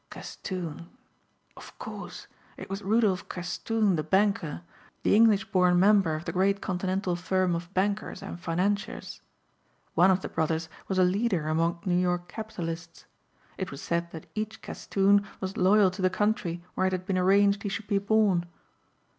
Castoon. Of course it was Rudolph Castoon the banker, the English born member of the great continental firm of bankers and financiers. One of the brothers was a leader among New York capitalists. It was said that each Castoon was loyal to the country where it had been arranged he should be born.